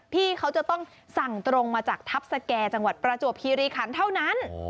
พี่เขาจะต้องสั่งตรงมาจากทัพสแก่จังหวัดประจวบคีรีคันเท่านั้น